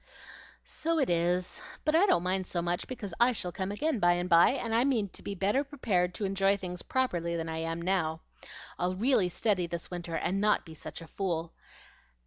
"So it is; but I don't mind so much, because I shall come again by and by, and I mean to be better prepared to enjoy things properly than I am now. I'll really study this winter, and not be such a fool.